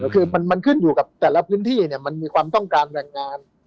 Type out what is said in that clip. คือมันขึ้นอยู่กับแต่ละพื้นที่มันมีความต้องการแรงงาน